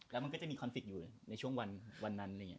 แล้วก็จะมีคอนเมซ์ต์อยู่ในช่วงวันนั้น